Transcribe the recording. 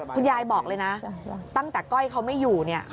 คุณยายบอกเลยนะตั้งแต่ก้อยเขาไม่อยู่เนี่ย